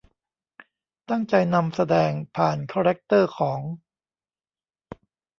ตั้งใจนำแสดงผ่านคาแรกเตอร์ของ